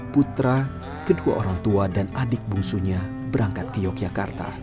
putra kedua orang tua dan adik bungsunya berangkat ke yogyakarta